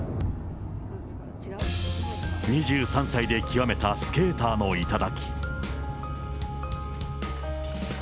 ２３歳で極めたスケーターの頂。